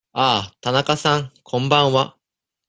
ああ、田中さん、こんばんは。